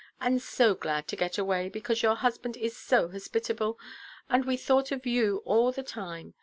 And so glad to get away, because your husband is so hospitable, and we thought of you all the time.